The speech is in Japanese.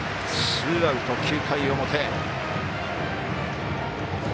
ツーアウト、９回表。